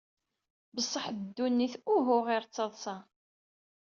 Beṣṣeḥ dunnit uhu ɣir d taṣṣa.